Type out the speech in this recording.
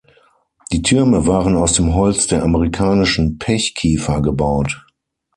Die Türme waren aus dem Holz der amerikanischen Pech-Kiefer gebaut.